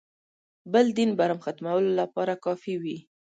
بل دین برم ختمولو لپاره کافي وي.